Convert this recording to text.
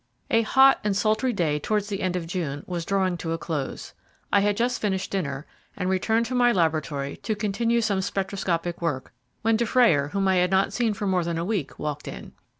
A HOT and sultry day towards the end of June was drawing to a close. I had just finished dinner and returned to my laboratory to continue some spectroscopic work, when Dufrayer, whom I had not seen for more than a week, walked in.